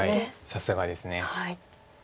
さすがです。